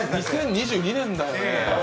２０２２年だよね。